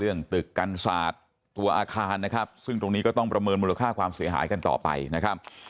เรื่องตึกกันศาสตร์ตัวอาคารนะครับซึ่งตรงนี้ก็ต้องประเมินมูลค่าความเสียหายกันต่อไปนะครับ